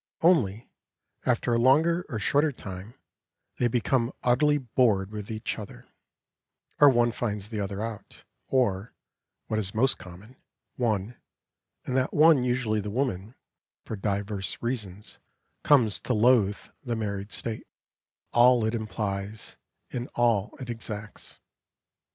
Only, after a longer or shorter time, they become utterly bored with each other; or one finds the other out; or, what is most common, one, and that one usually the woman, for divers reasons, comes to loathe the married state, all it implies and all it exacts.